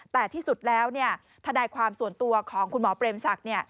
แต่ที่สุดแล้วทนายความส่วนตัวของคุณหมอเปรมศักดิ์